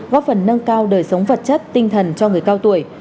góp phần nâng cao đời sống vật chất tinh thần cho người cao tuổi